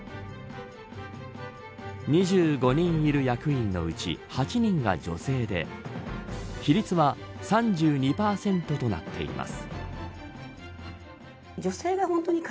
２５人いる役員のうち８人が女性で比率は３２％となっています。